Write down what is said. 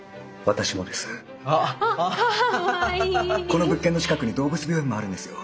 この物件の近くに動物病院もあるんですよ。